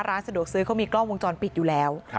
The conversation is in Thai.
ร้านสะดวกซื้อเขามีกล้องวงจรปิดอยู่แล้ว